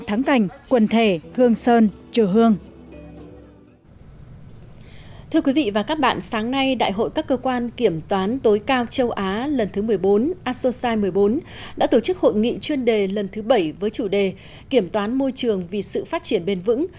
thưa quý vị và các bạn sáng nay đại hội các cơ quan kiểm toán tối cao châu á lần thứ một mươi bốn asosai một mươi bốn đã tổ chức hội nghị chuyên đề lần thứ bảy với chủ đề kiểm toán môi trường vì sự phát triển bền vững